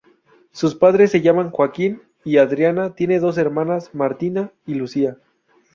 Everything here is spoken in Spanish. Sus padres se llaman Joaquín y Adriana, tiene dos hermanas, Martina y Lucía.